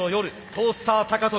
トースター高跳び。